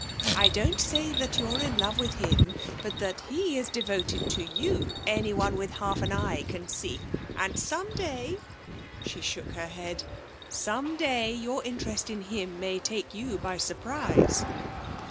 I don't say that you're in love with him, but that he is devoted to you anyone with half an eye can see. And some day,' she shook her head, 'some day your interest in him may take you by surprise.'